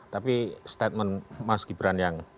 tapi statement mas gibran yang